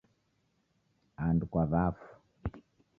Andu kwa wafu